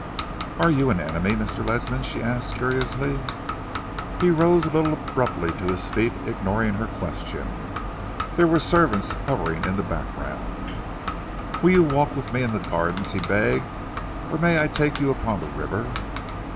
"Are you an enemy, Mr. Ledsam?" she asked curiously. He rose a little abruptly to his feet, ignoring her question. There were servants hovering in the background. "Will you walk with me in the gardens?" he begged. "Or may I take you upon the river?"